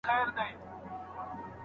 راتلونکی یې ښه دی.